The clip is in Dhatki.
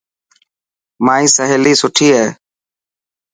مائي سهيلي سٺي هي.